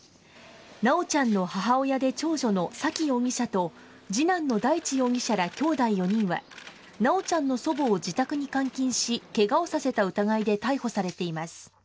修ちゃんの母親で長女の沙喜容疑者と、次男の大地容疑者らきょうだい４人は、修ちゃんの祖母を自宅に監禁し、けがをさせた疑いで逮捕されています。